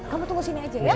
kamu tunggu sini aja ya